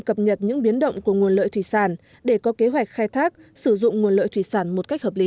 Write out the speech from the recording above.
cập nhật những biến động của nguồn lợi thủy sản để có kế hoạch khai thác sử dụng nguồn lợi thủy sản một cách hợp lý